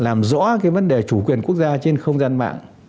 làm rõ cái vấn đề chủ quyền quốc gia trên không gian mạng